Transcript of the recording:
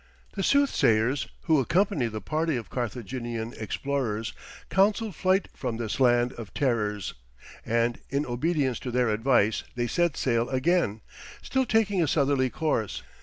The soothsayers, who accompanied the party of Carthaginian explorers, counselled flight from this land of terrors, and, in obedience to their advice, they set sail again, still taking a southerly course.